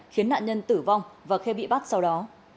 khiến nạn nhân tử vong và khê bị bắt sau đó